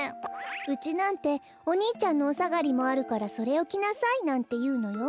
うちなんてお兄ちゃんのおさがりもあるからそれをきなさいなんていうのよ。